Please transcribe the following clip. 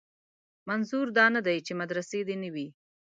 منظور دا نه دی چې مدرسې دې نه وي.